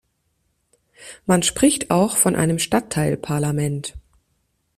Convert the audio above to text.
Man spricht auch von einem "Stadtteil-Parlament".